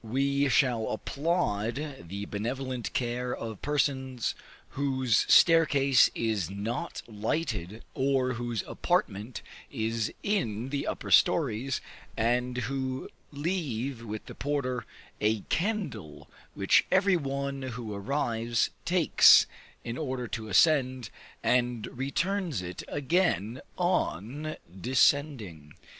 We shall applaud the benevolent care of persons whose staircase is not lighted, or whose apartment is in the upper stories, and who leave with the porter a candle which every one who arrives, takes, in order to ascend, and returns it again on descending.